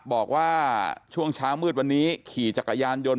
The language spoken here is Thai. บอกว่าช่วงเช้ามืดวันนี้ขี่จักรยานยนต์